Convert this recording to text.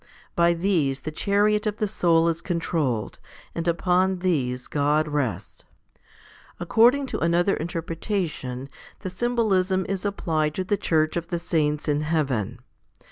By these the chariot of the soul is controlled, and upon these God rests. According to another interpretation the symbol ism is applied to the church of the saints in heaven.